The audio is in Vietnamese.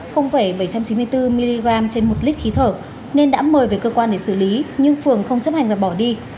bảy trăm chín mươi bốn mg trên một lít khí thở nên đã mời về cơ quan để xử lý nhưng phường không chấp hành và bỏ đi